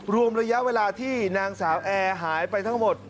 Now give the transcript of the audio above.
รวมระยะเวลาที่นางสาวแอร์หายไปทั้งหมด